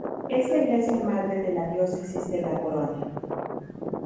Es la iglesia madre de la Diócesis de Gaborone.